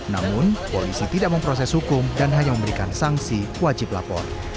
namun polisi tidak memproses hukum dan hanya memberikan sanksi wajib lapor